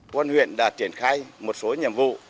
quân huyện đã triển khai một số nhiệm vụ